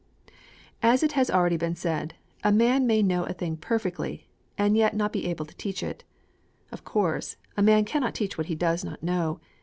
As it has been already said, a man may know a thing perfectly, and yet not be able to teach it. Of course, a man cannot teach what he does not know.